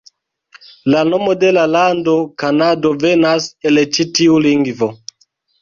La nomo de la lando, Kanado, venas el ĉi tiu lingvo.